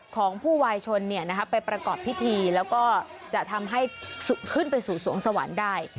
ของผู้วายชนไปประกอบพิธีแล้วก็จะทำให้ขึ้นไปสู่สวงสวรรค์ได้